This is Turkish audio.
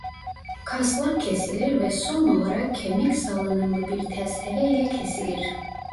Kaslar kesilir ve son olarak kemik salınımlı bir testere ile kesilir.